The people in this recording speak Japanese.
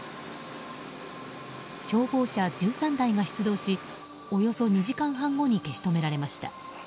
消防車１３台が出動しおよそ２時間半後に消し止められました。